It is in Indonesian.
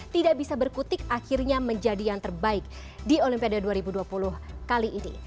tidak bisa berkutik akhirnya menjadi yang terbaik di olimpiade dua ribu dua puluh kali ini